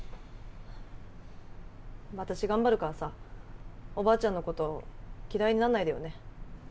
私頑張るからさおばあちゃんのこと嫌いになんないでよね。